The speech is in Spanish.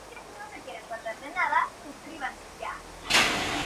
Su historia.